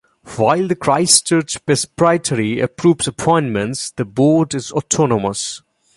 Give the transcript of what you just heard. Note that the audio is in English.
While the Christchurch Presbytery approves appointments, the board is autonomous.